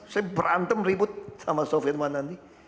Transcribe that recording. saya berantem ribut sama sofian manandi